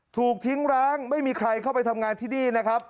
ถูกทิ้งร้างไม่มีใครเข้าไปทำงานที่นี่นะครับ